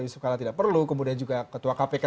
yusuf kala tidak perlu kemudian juga ketua kpk